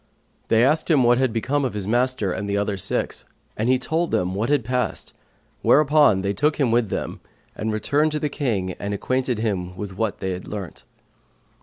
They asked him what was become of his master and the other six, and he told them what had passed whereupon they took him with them and returned to the King and acquainted him with what they had learnt.